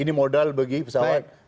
ini modal bagi pesawat